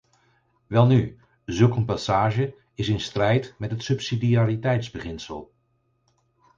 Welnu, zulk een passage is in strijd met het subsidiariteitsbeginsel.